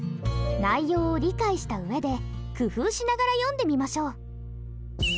内容を理解した上で工夫しながら読んでみましょう。